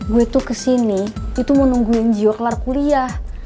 gue itu kesini itu mau nungguin jiwa kelar kuliah